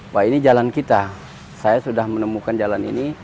wah ini jalan kita saya sudah menemukan jalan ini